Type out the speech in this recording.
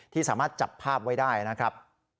ที่สามารถจับภาพไว้ได้นะครับ